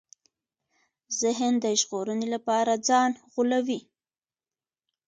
ذهن د ژغورنې لپاره ځان غولوي.